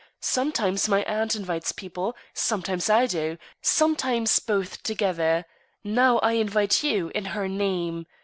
Sometimes my aunt invites people. Sometimes I do: sometimes both together. Now I invite you, in her name.